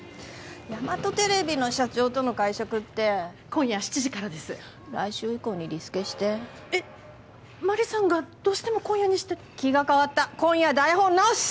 ヤマトテレビの社長との会食って今夜７時からです来週以降にリスケしてえっマリさんがどうしても今夜にして気が変わった今夜台本直す！